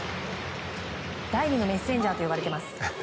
第２のメッセンジャーと呼ばれてます。